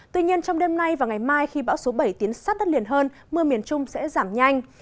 tuy nhiên trong đêm nay và ngày mai khi bão số bảy tiến sát đất liền hơn mưa miền trung sẽ giảm nhanh